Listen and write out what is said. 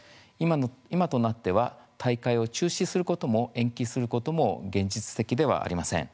今となっては大会を中止することも延期することも現実的ではありません。